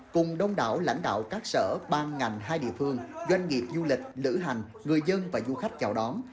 cùng đông đảo lãnh đạo các sở ban ngành hai địa phương doanh nghiệp du lịch lữ hành người dân và du khách chào đón